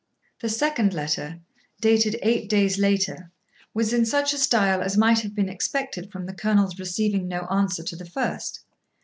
The second letter, dated eight days later, was in such a style as might have been expected from the Colonel's receiving no answer to the first.